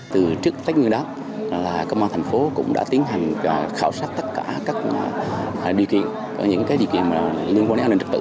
từ trước tách ngưng đó công an thành phố cũng đã tiến hành khảo sát tất cả các dự kiện những dự kiện liên quan đến an ninh trật tự